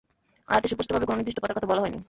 আয়াতে সুস্পষ্টভাবে কোন নির্দিষ্ট পাতার কথা বলা হয়নি।